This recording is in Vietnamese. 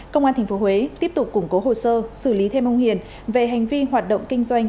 công an tp huế tiếp tục củng cố hồ sơ xử lý thêm ông hiền về hành vi hoạt động kinh doanh